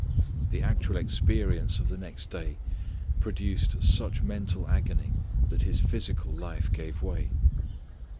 The actual experience of the next day produced such mental agony that His physical strength gave way.